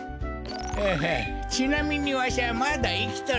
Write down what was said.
あちなみにわしゃまだいきとるぞ。